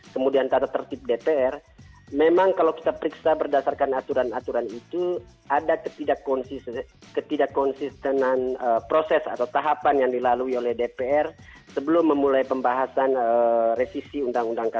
kemudian tata tertib dpr memang kalau kita periksa berdasarkan aturan aturan itu ada ketidak konsistenan proses atau tahapan yang dilalui oleh dpr sebelum memulai pembahasan revisi undang undang kpk